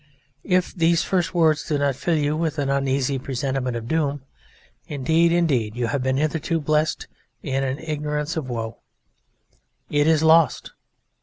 If these first words do not fill you with an uneasy presentiment of doom, indeed, indeed you have been hitherto blessed in an ignorance of woe. It is lost!